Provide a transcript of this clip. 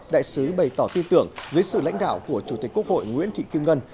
đại sứ bày tỏ tin tưởng dưới sự lãnh đạo của chủ tịch quốc hội nguyễn thị kim ngân